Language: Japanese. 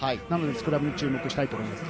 スクラムに注目したいと思います。